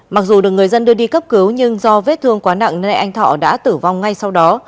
mặc dù được người dân đưa đi cấp cứu nhưng do vết thương quá nặng nên anh thọ đã tử vong ngay sau đó